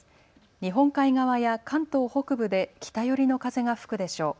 日本海側や関東北部で北寄りの風が吹くでしょう。